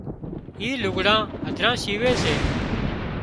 اِي لُگھڙان هڌران شيوي سي